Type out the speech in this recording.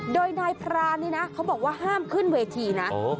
โดยนายพรานนี่นะเขาบอกว่าห้ามขึ้นเวทีนะ